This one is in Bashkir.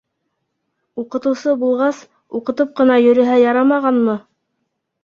Уҡытыусы булғас, уҡытып ҡына йөрөһә ярамағанмы?